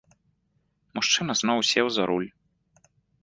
Мужчына зноў сеў за руль.